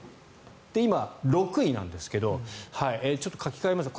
今、６位なんですがちょっと書き換えました。